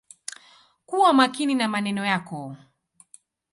Kuwa makini na maneno yako.